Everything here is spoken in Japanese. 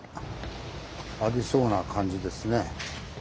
ありそうな感じですね。